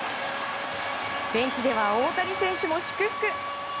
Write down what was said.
ベンチでは大谷選手も祝福。